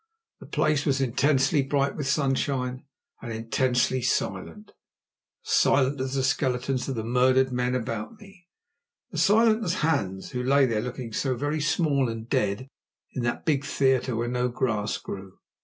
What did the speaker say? The place was intensely bright with sunshine and intensely silent; as silent as the skeletons of the murdered men about me; as silent as Hans, who lay there looking so very small and dead in that big theatre where no grass grew.